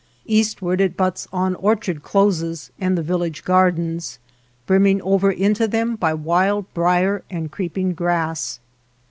Eastward it butts on orchard closes and the village gardens, brimming over into them by wild brier and creeping grass.